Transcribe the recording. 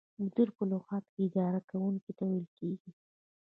مدیر په لغت کې اداره کوونکي ته ویل کیږي.